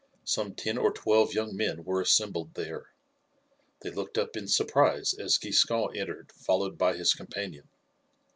Some ten or twelve young men were assembled there. They looked up in surprise as Giscon entered followed by his companion.